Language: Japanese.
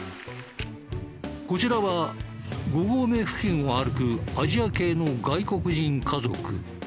こちらは５合目付近を歩くアジア系の外国人家族。